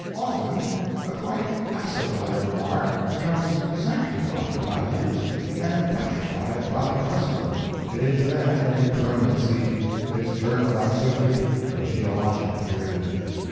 Often a quite assified remark becomes sanctified by use and petrified by custom; it is then a permanency, its term of activity a geologic period.